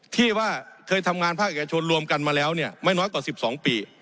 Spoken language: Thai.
ที่ว่าเคยทำงานภาคเอกชนรวมกันมาแล้วเนี่ยไม่น้อยกว่า๑๒ปี